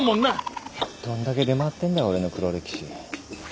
どんだけ出回ってんだ俺の黒歴史。